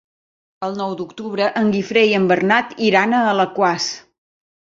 El nou d'octubre en Guifré i en Bernat iran a Alaquàs.